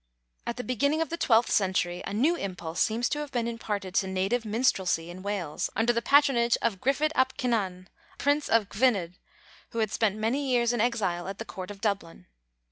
At the beginning of the twelfth century a new impulse seems to have been imparted to native minstrelsy in Wales under'the patronage of Gruffydd ap Cynan, a prince of Gwynedd, who had spent many years in exile at the court of Dublin.